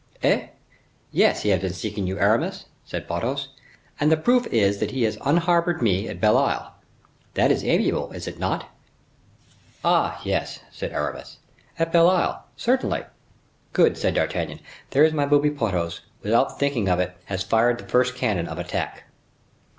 "Eh! yes, he has been seeking you, Aramis," said Porthos, "and the proof is that he has unharbored me at Belle Isle. That is amiable, is it not?" "Ah! yes," said Aramis, "at Belle Isle! certainly!" "Good!" said D'Artagnan; "there is my booby Porthos, without thinking of it, has fired the first cannon of attack."